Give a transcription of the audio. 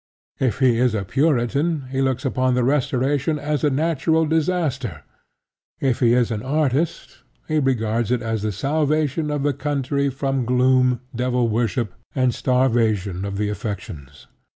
If he is a Puritan he looks upon the Restoration as a national disaster: if he is an artist he regards it as the salvation of the country from gloom, devil worship and starvation of the affections.